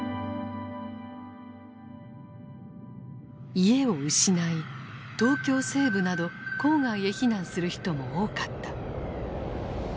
家を失い東京西部など郊外へ避難する人も多かった。